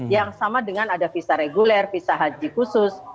yang sama dengan ada visa reguler visa haji khusus